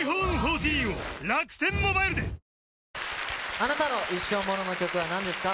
あなたの一生ものの曲はなんですか？